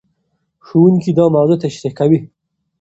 ښوونکي دا موضوع تشريح کوي.